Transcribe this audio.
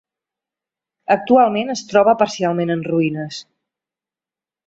Actualment es troba parcialment en ruïnes.